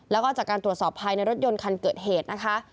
แล้วก็จากการตรวจสอบภายในรถยนต์คันเกิดเหตุนะคะ